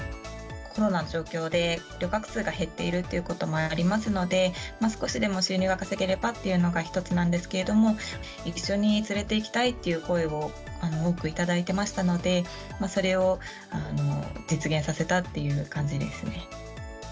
コロナの状況で、旅客数が減っているということもありますので、少しでも収入が稼げればというのが一つなんですけれども、一緒に連れていきたいという声を多く頂いてましたので、それを実現させたっていう感じですね。